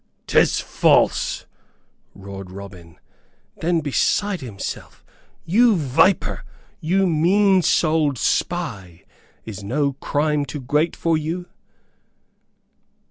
"'Tis false!" roared Robin, then beside himself. "You viper you mean souled spy! Is no crime too great for you?"